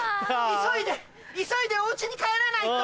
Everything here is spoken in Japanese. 急いで急いでお家に帰らないと。